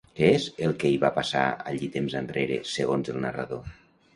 Què és el que hi va passar allí temps enrere, segons el narrador?